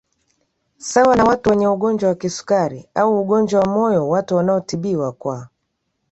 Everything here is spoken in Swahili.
Sawa na watu wenye ugonjwa wa kisukari au ugonjwa wa moyo watu wanaotibiwa kwa